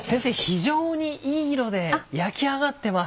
非常にいい色で焼き上がってます。